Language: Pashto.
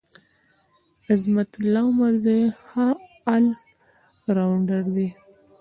عظمت الله عمرزی ښه ال راونډر دی.